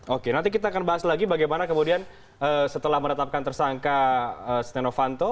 oke nanti kita akan bahas lagi bagaimana kemudian setelah menetapkan tersangka stenovanto